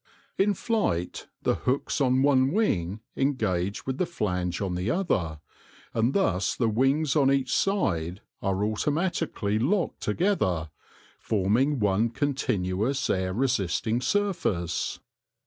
In flight the hooks on one wing engage with the flange on the other, and thus the wings on each side are automatically locked together, forming one continuous air resisting sur face.